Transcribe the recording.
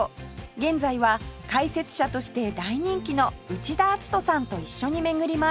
現在は解説者として大人気の内田篤人さんと一緒に巡ります